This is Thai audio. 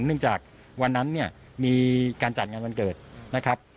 จากวันนั้นเนี่ยมีการจัดงานวันเกิดนะครับ